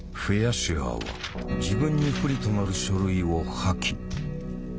シュアーは自分に不利となる書類を破棄。